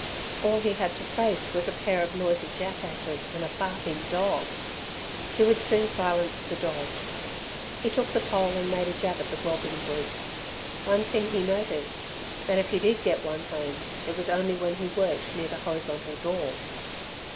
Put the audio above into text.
All he had to face was a pared of noisy jackasses and a barking dog! He would soon silence the dog. He took the pole and made a jab at the whelping brute. One thing he noticed, that if he did get one home, it was only when he worked near the horizontal door.